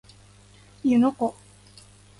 湯ノ湖